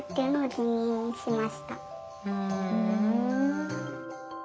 ふん。